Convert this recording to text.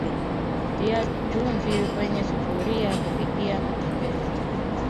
Tia chumvi kwenye sufuria kupikia matembele